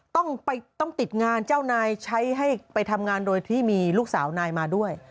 ต้องติดงานเจ้านายใช้ให้ไปทำงานโดยที่มีลูกสาวนายมาด้วย